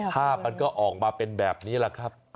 ภาพมันก็ออกมาเป็นแบบนี้แหละครับ